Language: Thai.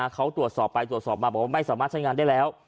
เขาตรวจสอบไปตรวจสอบมาบอกว่าไม่สามารถใช้งานได้แล้ว